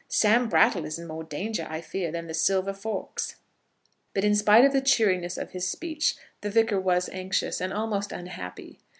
Sam Brattle is in more danger, I fear, than the silver forks." But, in spite of the cheeriness of his speech, the Vicar was anxious, and almost unhappy.